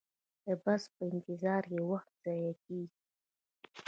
د بس په انتظار کې وخت ضایع کیږي